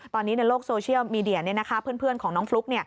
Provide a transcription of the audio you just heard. ตอนนี้ในโลกโซเชียลมีเดียเพื่อนของน้องฟลุ๊ก